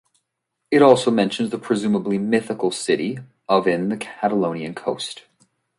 It also mentions the presumably mythical city of in the Catalonian coast.